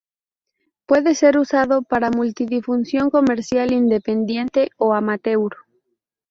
Puede ser usado para multidifusión comercial, independiente o amateur.